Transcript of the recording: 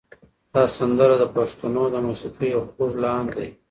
دا سندره د پښتنو د موسیقۍ یو خوږ لحن دی.